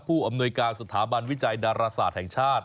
อำนวยการสถาบันวิจัยดาราศาสตร์แห่งชาติ